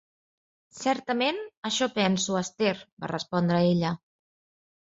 "Certament, això penso, Esther", va respondre ella.